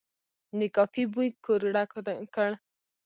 د کافي بوی کور ډک کړ.